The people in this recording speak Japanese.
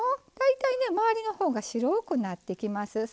大体ね周りの方が白くなってきます。